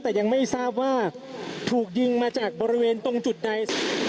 แต่ยังไม่ทราบว่าถูกยิงมาจากบริเวณตรงจุดใด